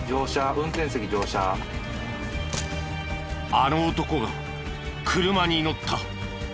あの男が車に乗った。